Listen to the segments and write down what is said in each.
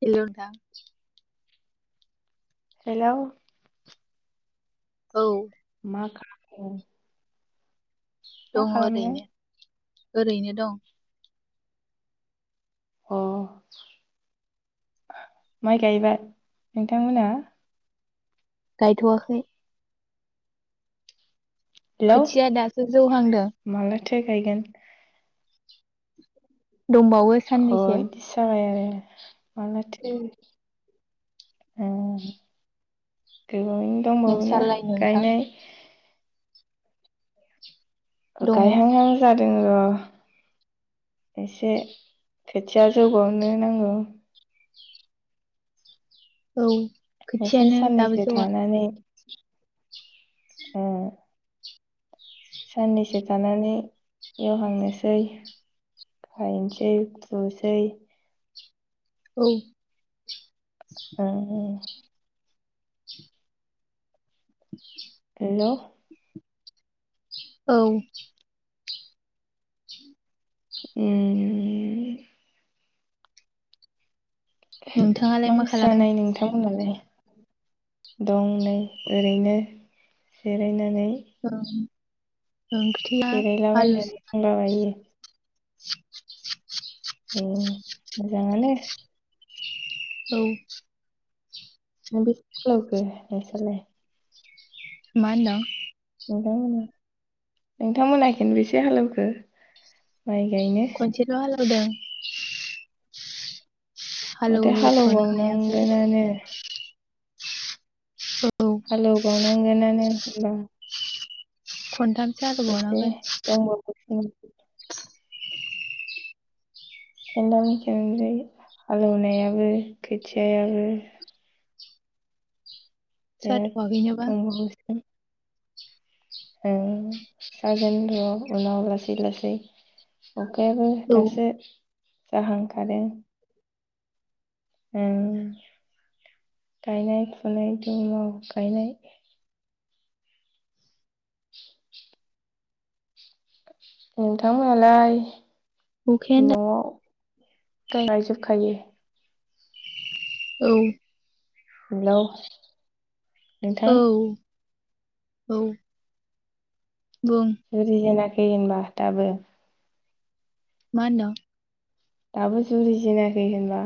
हल' नोंथां। हेल'। औ। मा खालामदों? मा दङ खालामनो? ओरैनो ओरैनो दं। अ माइ गायबाय नोंथांमोना? गायथ'आखै। खोथिया दासो जौहांदों। थो गायगोन? दंबावो साननैसो। मानोथो अ गोबाङैनो दंबावोना नोंसालाय नोंथां गायनो। दङ गायहांहां जादों। ओ एसे खोथिया जौबावनो नांगौ। औ। एसे खोथियानो दाबो साननैसो जौवा थानानै अ। साननैसो थानानै एवहांनोसै, गायनोसै, फुनसै। औ। [unintelligible] [unintelligible] हेलौ। औ। उम। नोंथाङालाय मा ओंख्रि खालामदों जानाय नोंथांमोनालाय? दं। नै ओरैनो। जिरायनानै। औ। जिरायला बायनानै दंलाबायो। दे मोजांआनो। औ। [unintelligible] मा होनदों? नोंथांमोना नोंथांमोना खेनबैसे हालौखो? माइ गायनो। [unintelligible] माथो हालौहोथ'नो हायाखै हालौबावनांगोनानो। औ हालौ बावनांगोनानो। [inaudible] खन्थाम एसे दंमोन हालौनायाबो खोथियायाबो बिराद जाथआखैनोबा औ जागोन र उनाव लासै लासै अखायाबो औ दासो हाहां खादों उम गायनाय फुनाय दुमाव गायनाय [inaudible] नोंथांमोनालाय अखायानो दा नआव गाय गायजोबखायो औ हेलौ नोंथां औ औ बुं [inaudible] फैेहोनबा दाबो मा होनदों दाबो जुरिजेनाखै होनबा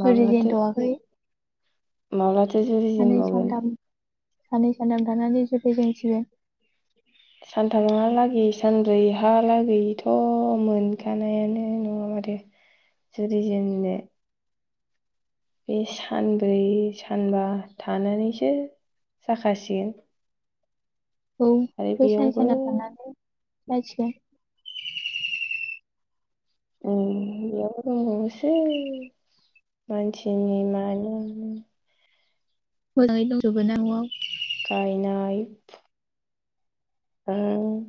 जुरि माब्लाथो जेनथवाखै माब्लाथो जुरिजेबावगोन सानै सानथाम थानानै जुरिजेनसिगोन सानथामहालागै सानब्रैहालागैथ मोनखानायानो नङा माथो जुरिजेननो बे सानब्रै सानबा थानानैसो जाखासिगोन औ आरो बै साननै बेयावबो सानथाम थानानै [unintelligible] ओ बेयाव दंबावसै मानसिनि मानो मोजाङै दंजोबो ना न' आव? गायनाय ओं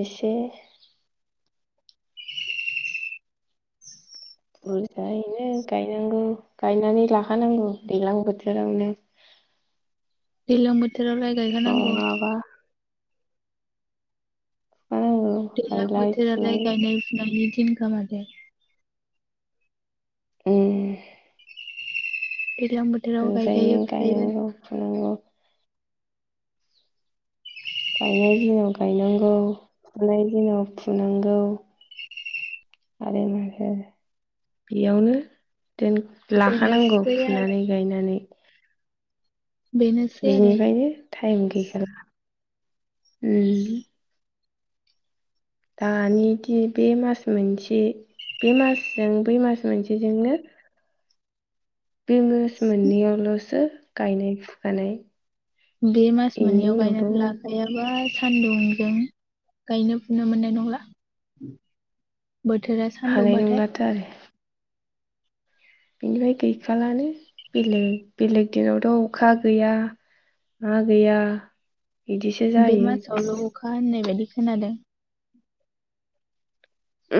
एसे बुरजायैनो गायनांगौ गायनानै लाखानांगौ दैलां बोथोरावनो दैलां बोथ बोथोराव लाय गायखानांगौ। नङाबा फुखानांगौ दैलां गायलाय बोथोरालाय फुलाय गायनाय फुनानि दि दिनखा माथो। उम दैज्लां बोथोराव गायखायो मोजाङैनो फुखायो गायनांगौ फुनांगौ। गायनाय दिनाव गायनांगौ फुनाय दिनाव फुनांगौ आरो माथो बेयावनो दोन लाखानांगौ बेनोसै फुनानै आरो गायनानै। बेनोसै आरो बिनिफायनो टाइम गैखाला। उम। दानि दि बे मास मोनसे बे मासजों बै मास मोनसेजोंनो बे मास मोननैयावलसो गायनाय फुखानाय बे मास बेनि मोननैयाव उनावथ' गायनानै लाखायाबा सानदुंजों गायनो फुनो मोननाय नंला। बोथोरा हानाय सानदुंबाथाय नंलाथो बेनिफाय गैखालानो बेलेग बेलेग दिनावथ' अखा गैया मा गैया बिदिसो बे जायो मासावल' अखा होननाय बादि खोनादों।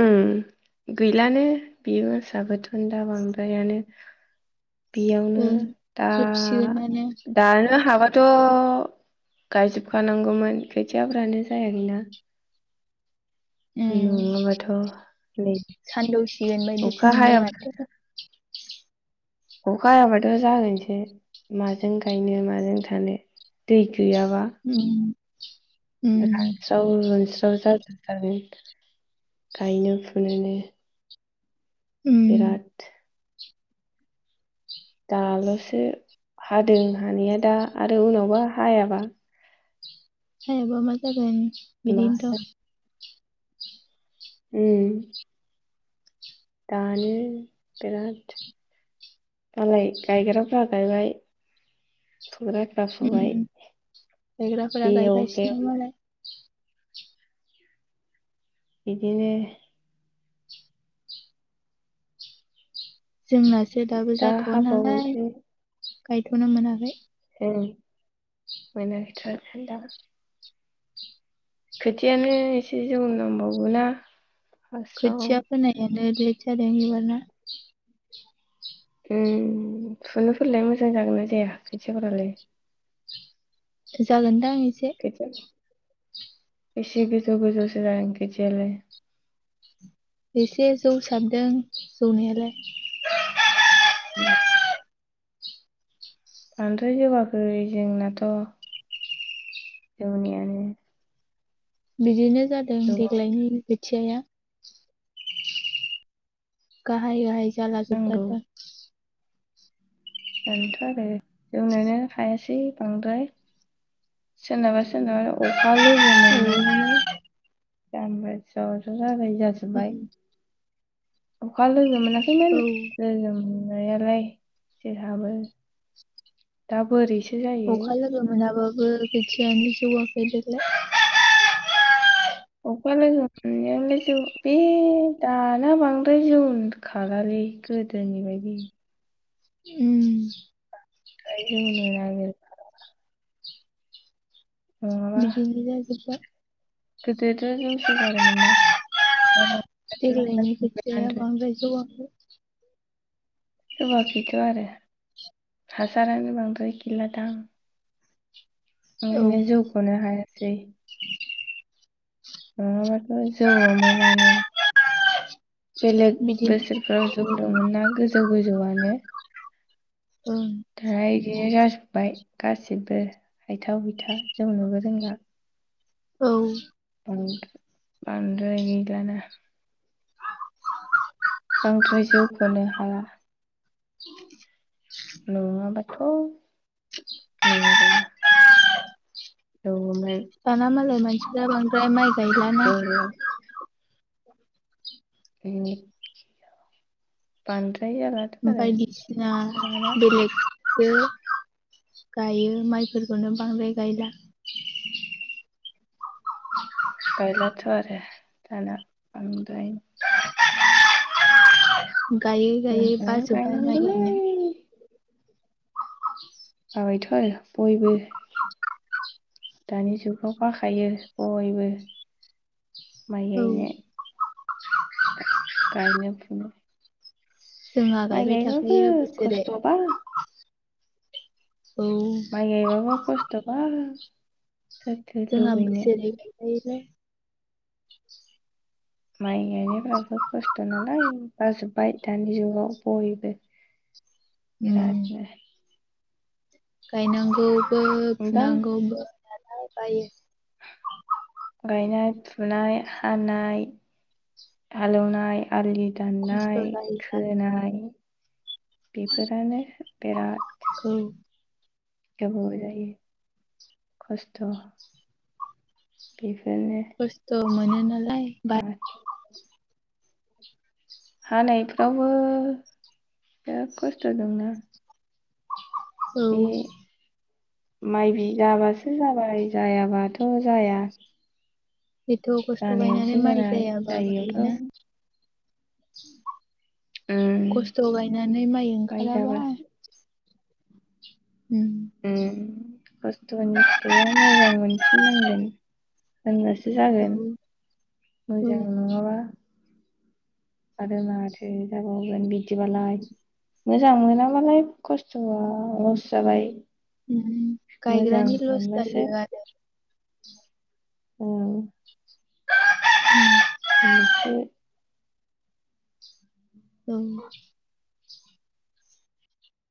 उम गैलानो बे मासाबो थनदा बांद्रायानो। बेयावनो ओं जोबसिगोनानो दा-दानो हाबा थ गायजोबखानांगौमोन खोथियाफ्रानो जाया खैना। उम नङाबाथ' नै सानदौसिगोन बायदिसो अखा मोनबाय हाया माथो। [unintelligible] अखा हाबाथ' जागोनसो माजों गायनो माजों थानो दै गैयाबा उम उम रानस्राव मोन औ जाव [unintelligible] गायनो फुुनोनो। बिराद दाल'सो हादों हानिया दा आरो उनावबा हायाबा हायाबा मा जागोन? मा बिदिनथ'। उम। दानो बिराद मालाय गायग्राफ्रा गायबाय फुग्राफ्रा फुबाय उम गायग्राफोरा बे गायगासिनो [unintelligible] मालाय बिदिनो जोंनासो दाबो दा जाथ'वा नालाय हाबावनोसै गायथ'नो मोनाखै। उम मोनाखैथ' आरो। खोथियानो एसे जौनो नांबावगौना। खोथिया फोनाया [unintelligible] उम फुुनोफोरलाय मोजां जागोन ना जाया खोथियाफोरालाय? जागोन। दां एसे। बेसे गोजौ गोजौसो जागोन खोथियालाय एसे जौ साबदों जौनायालाय उम बांद्राय जौगाखै जोंनाथ' जौनायानो [unintelligible] जादों देग्लायनि [unintelligible] गाहाय गाहाय जौगानांगौ [unintelligible] [unintelligible] आरो जौनोनो हायासै बांद्राय सोरनाबा सोरनाबा अखा लोगो मोननानैनो [unintelligible] औ [unintelligible] [unintelligible] [unintelligible] [unintelligible] [unintelligible] अखा लोगों मोनाबाबो खोथियायानो जौवाखै देगलाइ अखा लोगो मोनायालाय जौ बे दाना बांद्राय जौ खालालै गोदोनि बायदि उम [unintelligible] नङाबा बिदिनो जाजोबाय देग्लायनि खोथियाया बांद्राय जौवाखै [unintelligible] जौवाखैथ' आरो हासारानो बांद्राय गैला दां औ ओरैनो जौखौनो हाया [unintelligible] नङाबाथ' जौगौमोनआनो बेलेग बिदिनो बोसोरफोराव जौ दोंमोन ना गोजौ गोजौ [unintelligible] ओं [unintelligible] बिदिनो जाजोब्बाय गासिबो हायथा हुयथा जौनोबो रोंला औ बां बाद्राय गैलाना बांद्राय जौखौनो हाला नुवाबाथ' मेरना [unintelligible] दाना मालाय [unintelligible] [unintelligible] गायलाना जौ [unintelligible] पान बायदिसिना बेलेग जो गायो माइफोरखौनो बांद्राय गायला। गायलाथ' आरो दाना आं द [unintelligible] गायै गायै जोंफ्रा बाजोब्बाय माइ गायनांगौलै गायनो। बाबायथ' आरो, बयबो दानि जुगाव बाखायो बयबो। माइ औ गायनो। गायनो फुनो। जोंहा माइ गायबाय गायबाबो थाखायो बोसोरे खस्थ'बा। औ माइ गायबाबो खस्थ'बा। सोरथो जोंहा लुबैनो बोसोरै गायखायो। [unintelligible] माइ गायनायफ्राबो खस्थ' नालाय, बाजोब्बाय दानि जुगाव बयबो। बिरातनो गायनांगौ। बो दा फुनांगौ [unintelligible] बायो गायनाय फुनाय हानाय हालेवनाय। आलि खस्थ' दाननाय, जायो खोनाय बेफोरानो बिराद औ गोबावजायो खस्थ'। बे खस्थ'। मोनोना [unintelligible] हानायफ्रावबो बिराद खस्थ' दंना। औ। माइ बि जाबासो जाबाय जायाबाथ' जाया। इथ' खस्थ' गायनानै जानायावसो माइ जानाय जायाबा बोरैना। जायियावथ' [unintelligible] उम खस्थ' गायनानै माइ ओंखाराबा उम खस्थ'नि फिथाइया मोजांमोन। सोमोन्दै होनबासो औ जागोन औ मोजां नङाबा। आरो माथो जाबावगोन बिदिबालाय मोजां मोनाबालाय खस्थ'आ लस जाबाय। उम मोजां गायग्रानि लस मोनबासो जायो आरो। औ [unintelligible] होमबासो औ